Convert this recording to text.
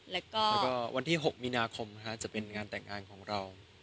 แล้วก็วันที่๖มีนาคมจะเป็นงานแต่งงานของเรา